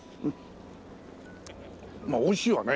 まあおいしいわね。